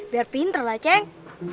biar pinter lah ceng